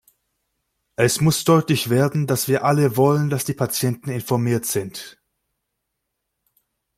Es muss deutlich werden, dass wir alle wollen, dass die Patienten informiert sind.